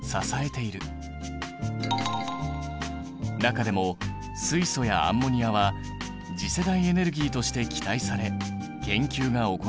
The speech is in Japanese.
中でも水素やアンモニアは次世代エネルギーとして期待され研究が行われている。